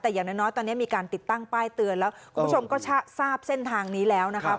แต่อย่างน้อยตอนนี้มีการติดตั้งป้ายเตือนแล้วคุณผู้ชมก็ทราบเส้นทางนี้แล้วนะครับ